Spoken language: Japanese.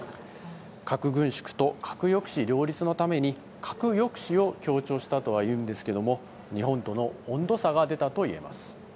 核軍縮と核抑止両立のために核抑止を強調したとは言うんですが日本との温度差が出たといえます。